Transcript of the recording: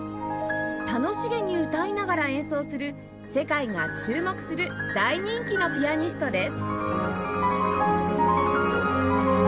楽しげに歌いながら演奏する世界が注目する大人気のピアニストです